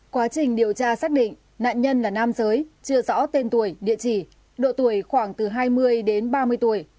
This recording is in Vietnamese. quá trình điều tra xác định nạn nhân là nam giới chưa rõ tên tuổi địa chỉ độ tuổi khoảng từ hai mươi đến ba mươi tuổi